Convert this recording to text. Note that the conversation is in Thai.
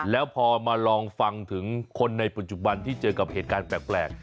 แล้วพอมาลองฟังถึงคนในปัจจุบันที่เจอกับเหตุการณ์แปลก